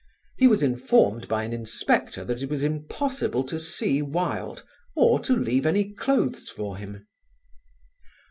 He was informed by an inspector that it was impossible to see Wilde or to leave any clothes for him.